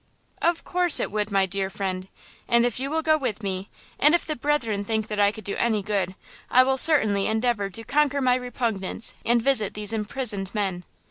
"Of course, it would, my dear friend; and if you will go with me, and if the brethren think that I could do any good I will certainly endeavor to conquer my repugnance and visit these imprisoned men."